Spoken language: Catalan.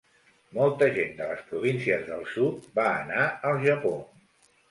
Molta gent de les províncies del sud va anar al Japó.